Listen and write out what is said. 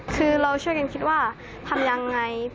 คือเราช่วยกันคิดว่าทำยังไง